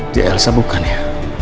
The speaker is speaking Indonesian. dia elsa bukan ya